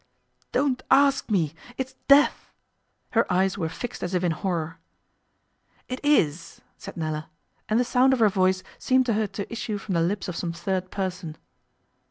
'Don't ask me. It's death!' Her eyes were fixed as if in horror. 'It is,' said Nella, and the sound of her voice seemed to her to issue from the lips of some third person.